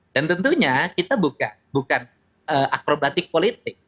dan tentunya kita bukan akrobatik politik